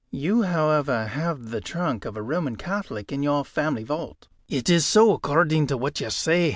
"You, however, have the trunk of a Roman Catholic in your family vault." "It is so, according to what you say.